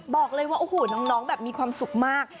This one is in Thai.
บอกเลยว่าโอ้โหน้องแบบมีความสุขมาก